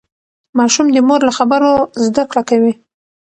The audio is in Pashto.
ماشوم د مور له خبرو زده کړه کوي.